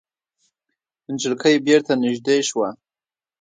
نجلۍ بېرته نږدې شوه.